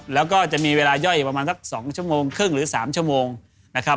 แล้วก็จะมีเวลาย่อยประมาณสัก๒ชั่วโมงครึ่งหรือ๓ชั่วโมงนะครับ